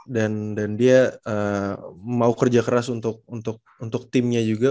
dan dia mau kerja keras untuk timnya juga